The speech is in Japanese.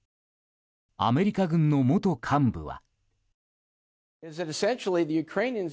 アメリカ軍の元幹部は。